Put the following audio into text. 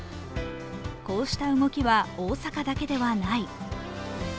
こうした動きは大阪だけではない。